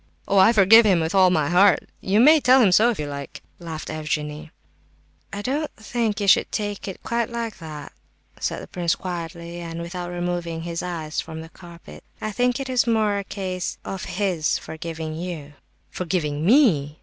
"Oh, I forgive him with all my heart; you may tell him so if you like," laughed Evgenie. "I don't think you should take it quite like that," said the prince, quietly, and without removing his eyes from the carpet. "I think it is more a case of his forgiving you." "Forgiving me!